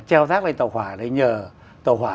treo rác lên tàu hỏa đấy nhờ tàu hỏa